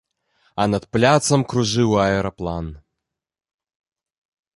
А над пляцам кружыў аэраплан.